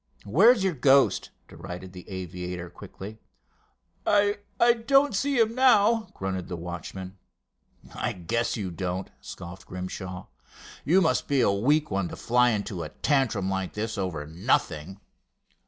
"Where's your ghost?" derided the aviator quickly. "I—I don't see him now," grunted the watchman. "I guess you don't," scoffed Grimshaw. "You must be a weak one to fly into a tantrum like this over nothing."